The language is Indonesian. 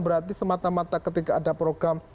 berarti semata mata ketika ada program